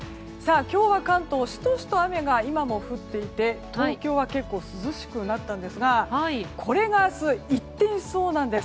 今日は関東シトシト、雨が今も降っていて東京は涼しくなったんですがこれが明日一変しそうなんです。